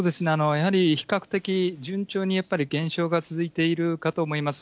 やはり比較的、順調にやっぱり減少が続いているかと思います。